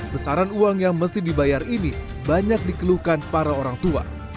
besaran uang yang mesti dibayar ini banyak dikeluhkan para orang tua